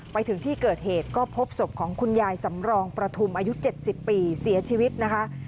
ไปถึงที่เกิดเหตุก็พบศพของคุณยายสำรองประทุมอายุ๗๐ปีเสียชีวิตนะคะ